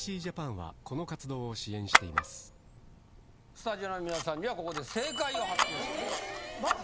スタジオの皆さんにはここで正解を発表しますマジ？